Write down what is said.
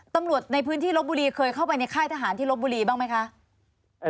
ตำรวจในพื้นที่ลบบุรีเคยเข้าไปในค่ายทหารที่ลบบุรีบ้างไหมคะ